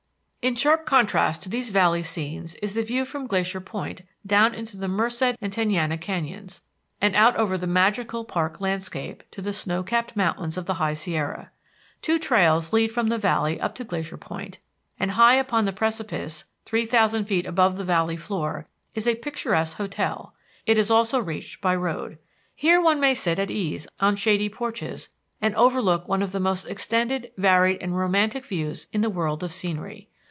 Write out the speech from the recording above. In sharp contrast with these valley scenes is the view from Glacier Point down into the Merced and Tenaya Canyons, and out over the magical park landscape to the snow capped mountains of the High Sierra. Two trails lead from the valley up to Glacier Point, and high upon the precipice, three thousand feet above the valley floor, is a picturesque hotel; it is also reached by road. Here one may sit at ease on shady porches and overlook one of the most extended, varied and romantic views in the world of scenery.